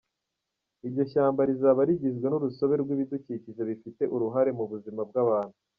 Iryo shyamba rizaba rigizwe n’urusobe rw’ibidukikije bifite uruhare mu buzima bw’abantu.